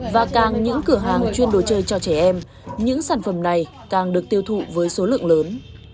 và càng những cửa hàng chuyên đồ chơi cho trẻ em những sản phẩm này càng được tiêu thụ với số lượng lớn